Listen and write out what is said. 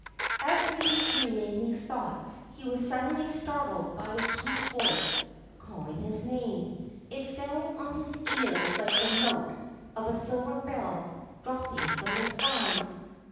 As he was dreaming these thoughts, he was suddenly startled by a sweet voice calling his name. It fell on his ears like the note of a silver bell dropping from the skies.